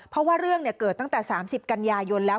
เพราะว่าเรื่องเกิดตั้งแต่๓๐กันยายนแล้ว